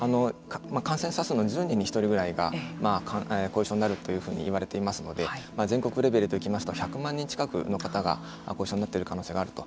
感染者数の１０人に１人が後遺症になるというふうに言われていますので全国レベルでいきますと１００万人近くの方が後遺症になっている可能性があると。